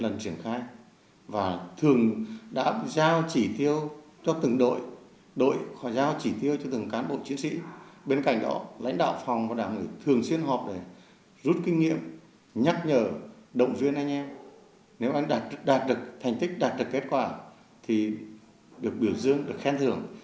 nếu đạt được thành tích đạt được kết quả thì được biểu dương được khen thưởng